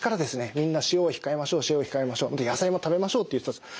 みんな塩を控えましょう塩を控えましょう野菜も食べましょうって言ってたんです。